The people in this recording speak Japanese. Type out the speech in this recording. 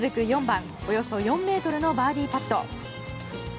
４番、およそ４ｍのバーディーパット。